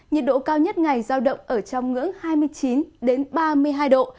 nhiệt độ cao nhất ngày giao động ở trong ngưỡng hai mươi chín ba mươi hai độ